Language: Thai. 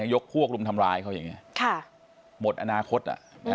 ยกพวกรุมทำร้ายเขาอย่างนี้หมดอนาคต